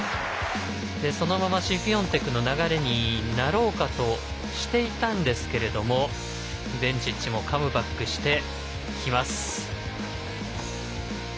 そのままシフィオンテクの流れになろうかとしていたんですがベンチッチもカムバックしてきます。